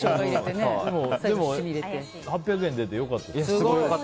でも、８００円出てよかったですね。